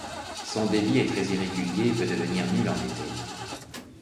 Son débit est très irrégulier et peut devenir nul en été.